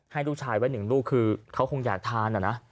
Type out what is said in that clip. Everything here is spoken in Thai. ให้ลูกชายไว้๑ลูกคือเขาคงอยากทานนะ